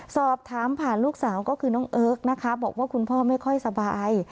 สอบถามผ่านลูกสาวก็คือน้องเอิร์กนะคะบอกว่าคุณพ่อไม่ค่อยสบาย